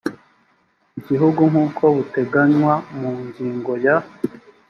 gihugu nk uko buteganywa mu ngingo ya